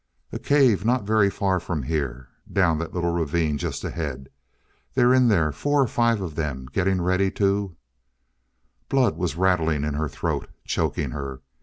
"A cave, not very far from here down that little ravine just ahead they're in there four or five of them, getting ready to " Blood was rattling in her throat, choking her.